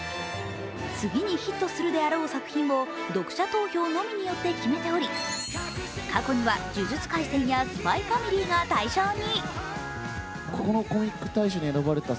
次にヒットするであろう作品を読者投票のみによって決めており過去には「呪術廻戦」や「ＳＰＹ×ＦＡＭＩＬＹ」が大賞に。